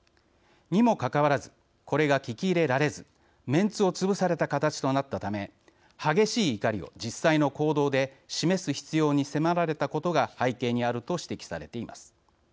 にもかかわらずこれが聞き入れられずメンツをつぶされた形となったため激しい怒りを実際の行動で示す必要に迫られたことが背景にあると指摘されています。